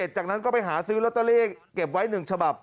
จากนั้นก็ไปหาซื้อลอตเตอรี่เก็บไว้๑ฉบับ